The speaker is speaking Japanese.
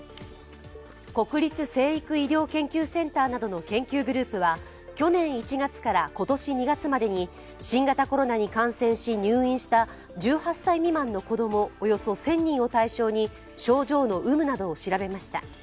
国立成育医療研究センターなどの研究グループは去年１月から今年２月までに新型コロナに感染し入院した１８歳未満の子供、およそ１０００人を対象に症状の有無などを調べました。